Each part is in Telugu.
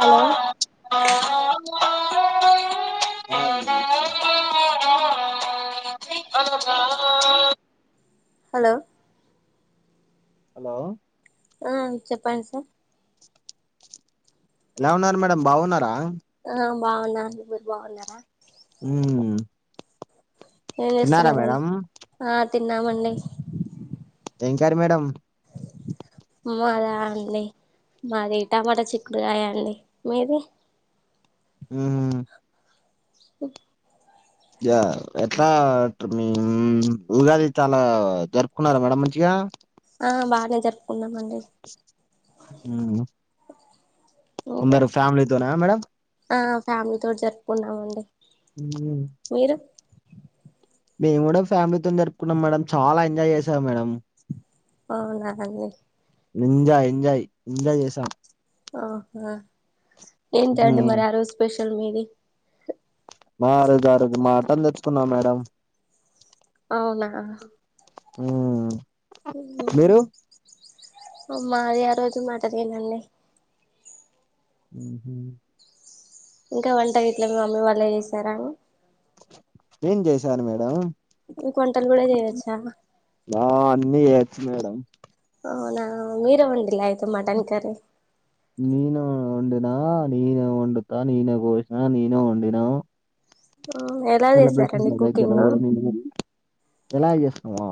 హలో హలో హలో మ్ చెప్పండి సార్ ఎలా ఉన్నారు మేడమ్ బాగున్నారా ఆ బాగున్నండి మీరు బాగున్నారా మ్ ఏం చేస్తున్నారండీ ఆ తిన్నామండి ఏం చారు మేడం మాద అండి మాది టామాట చిక్కుడుకాయా అండి మీది మ్ హు యా ఎట్లా మీ ఉగాది చాలా జరుపుకున్నారా మేడం మంచిగా ఆ బానే జరుపుకున్నాం అండి నేను ఇంగా మేడం ఆ ఫ్యామిలీ తోటి జరుపుకున్నామండి ఇంగేమి మీరు మేము గుడా ఫ్యామిలీతోనే జరుపుకున్నాం మేడం చాలా ఎంజాయ్ జేసాం మేడం అవునా అండి ఎంజాయ్ ఎంజాయ్ ఎంజాయ్ జేసాం ఆహా ఏంటండీ ఉమ్ మరి ఆ రోజు స్పెషల్ మీది మా ఆరోజు ఆ రోజు మాటన్ దెచ్చుకున్నాం మేడం అవునా ఊ మాది ఆ రోజు మాటనేనండి ఊహూ ఇంకా వంట గిట్ల మీ మమ్మీ వాళ్ళే చేస్తారా అం నేన్ జేసాను మేడం మీకు వొంటలు గూడా చేయొచ్చా బా అన్నీ జేయచ్చు మేడం అవునా మీరే వండు లే అయితే మటన్ కరీ నేనే వండిన నేనే వండుతా నీనే కోసినా నేనే వండిన ఎలా [unintelligible] చేసారండి కుకింగ్ ఎలాగ జెస్తామా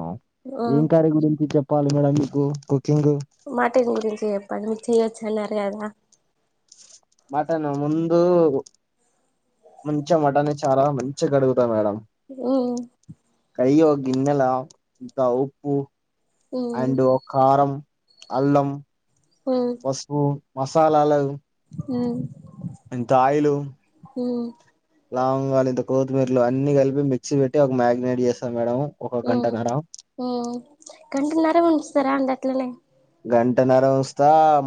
ఏం కర్రీ గురించి చెప్పాలి మేడం మీకు కుకింగ్ మాటిన్ గురించే జెప్పండి చేయెచ్చు అన్నారు గదా మటను ముందు మంచిగ మటన్ని చాలా మంచిగా కడుగుతా మేడం ఉ అయ్యి ఓ గిన్నెల ఇంకా ద ఉప్పు మ్మ్ అండ్ ఒ కారం అల్లం మ్మ్ పసుపు మసాలాల ఉ ఇంత ఆయిలు లాంగాలు ఇంత కొత్తిమీరలు అన్ని కలిపి మిక్సీ పెట్టి ఒక మ్యాగినేట్ జేస్తాం మేడం ఒక ఓ గంటన్నర ఓ గంటన్నర ఉంచుతారా అండి అట్లనే గంట నర్ర వుంచుత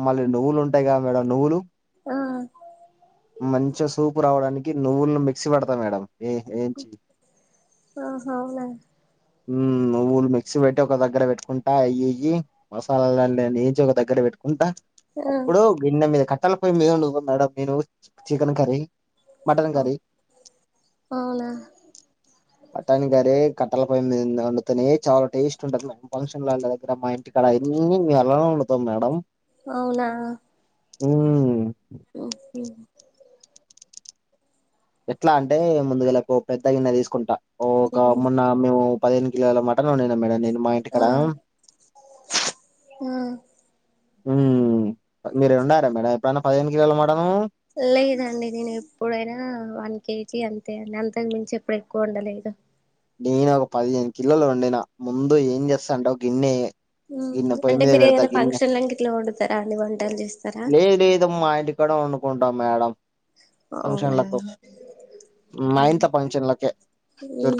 మళ్ళీ నువ్వులు ఉంటాయి కదా మేడం నువ్వులు ఆ మంచిగ సూపు రావడానికి నువ్వులను మిక్సీ పడతా మేడం ఏ ఏంచి ఆహ అవునా ఊమ్ ను వ్వులు మిక్సీ వెట్టి ఒక దగ్గర వెట్టుకుంటా అయ్యి ఇయ్యి మసాలాలు అన్నీ ఏంచి ఒక దగ్గర వెట్టుకుంటా ఆ అప్పుడు గిన్నె మీద కట్టల పోయి మీద నువ్వు మేడం నేను చికెన్ కర్రీ మటన్ కర్రీ అవునా మటన్ కర్రీ కట్టెల పొయ్యి మీద వండుతనే చాలా టేస్ట్ ఉంటుంది మెడం ఫంక్షన్లో వాళ్ళ దగ్గర మా ఇంటికాడ అన్నీ మేం వొండుతాం మేడం అవునా ఊ ఓకే ఎట్లా అంటే ముందుగాల ఓ పెద్ద గిన్నె తీసుకుంటా ఒక ఉమ్ మొన్న మేము పదిహేను కిలోల మటన్ ఉండినా మేడం నేను మా ఇంటి కడ ఉమ్ ఉమ్ మీరు ఉండరా మేడం ఎప్పుడన్న పదిహేను కిలోల మా లేదండి నేను ఎప్పుడైనా వన్ కే చి అంతే నెల [unintelligible] మించి ఎప్పుడు ఎక్కువ ఉండలేదు నేను ఒక పదిహేను కిలోలు వండినా ముందు ఏం చేస్తా అంటే ఒక గిన్నె గిన్నె పోయి అంటే మీద మీరు పెడతా ఏదైనా గిన్నె ఫంక్షన్లకి ఇట్లా వండుతారా అండి వంటలు చేస్తారా నేన్ ఏదో మా ఇంటికాడ ఉండు కుంటా మేడం అవునా ఫంక్షన్లకు మ ఇంట్ల ఫంక్షన్లకే దోర్